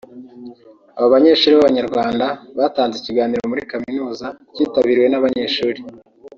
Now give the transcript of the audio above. abo banyeshuri b’Abanyarwanda batanze ikiganiro muri kaminuza cyitabiriwe n’abanyeshuri